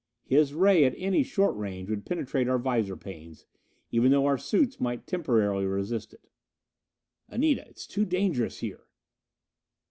His ray at any short range would penetrate our visor panes, even though our suits might temporarily resist it. "Anita it's too dangerous here."